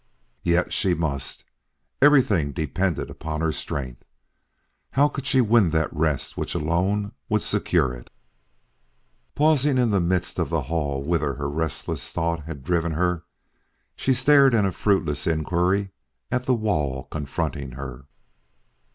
Yet she must; everything depended upon her strength. How could she win that rest which alone would secure it. Pausing in the midst of the hall whither her restless thought had driven her, she stared in a fruitless inquiry at the wall confronting her.